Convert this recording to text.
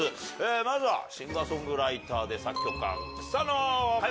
まずはシンガーソングライターで作曲家草野華余子さん。